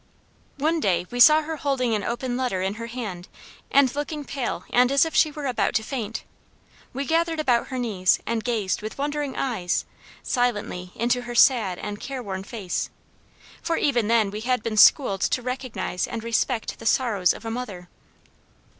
"One day we saw her holding an open letter in her hand and looking pale and as if she were about to faint. We gathered about her knees and gazed with wondering eyes, silently into her sad and care worn face, for even then we had been schooled to recognize and respect the sorrows of a mother.